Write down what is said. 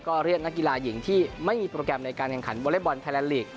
ก็เรียกนักกีฬาหญิงที่ไม่มีโปรแกรมในการแข่งขันวอเล็กบอลไทยแลนดลีก